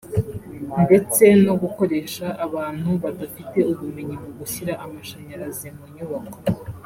ndetse no gukoresha abantu badafite ubumenyi mu gushyira amashanyarazi mu nyubako